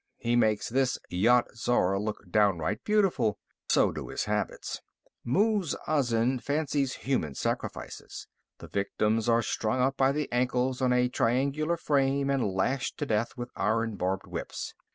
He makes this Yat Zar look downright beautiful. So do his habits. Muz Azin fancies human sacrifices. The victims are strung up by the ankles on a triangular frame and lashed to death with iron barbed whips.